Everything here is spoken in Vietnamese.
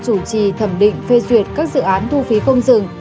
chủ trì thẩm định phê duyệt các dự án thu phí không dừng